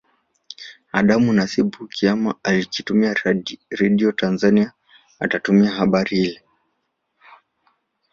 Adam Nasibu Kiama akitumia Radio Tanzania atatumia habari hile